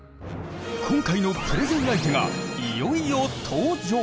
今回のプレゼン相手がいよいよ登場！